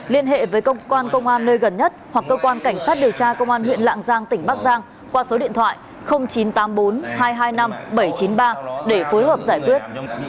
liên hệ với công an nơi gần nhất hoặc cơ quan cảnh sát điều tra công an huyện lạng giang tỉnh bắc giang qua số điện thoại chín trăm tám mươi bốn hai trăm hai mươi năm bảy trăm chín mươi ba để phối hợp giải quyết